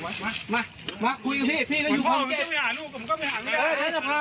พ่อมันไม่ได้หาลูกก็ไม่ได้หา